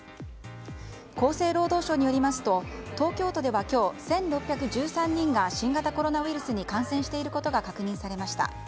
厚生労働省によりますと東京都では今日１６１３人が新型コロナウイルスに感染していることが確認されました。